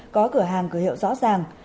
có cửa hàng cửa hiệu rõ ràng